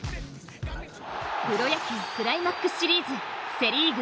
プロ野球クライマックスシリーズセ・リーグ